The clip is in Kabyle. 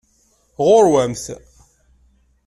Ɣur-wamt!